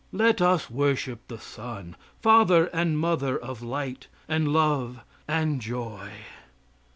Let us worship the sun, father and mother of light and love and joy."